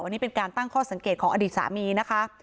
อันนี้เป็นการตั้งข้อสังเกตของอดีตสามีนะคะ